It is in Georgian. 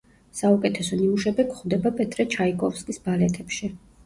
საუკეთესო ნიმუშები გვხვდება პეტრე ჩაიკოვსკის ბალეტებში.